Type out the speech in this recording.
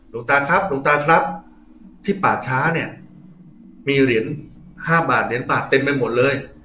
ลงตาครับลงตาครับที่ปากช้าเนี้ยมีเหรียญห้าบาทเหรียญปากเต็มไม่หมดเลย